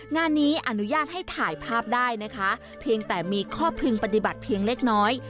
งานนี้อนุญาตให้ถ่ายภาพได้นะคะเพียงแต่มีข้อพึงปฏิบัติเพียงเล็กน้อย